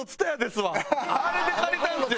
あれで借りたんですよ。